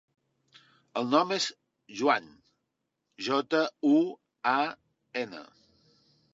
El nom és Juan: jota, u, a, ena.